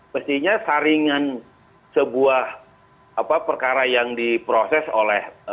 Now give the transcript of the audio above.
mestinya saringan sebuah perkara yang diproses oleh